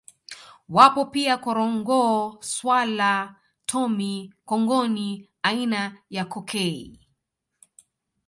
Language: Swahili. Wapo pia korongoo swala tomi Kongoni aina ya cokei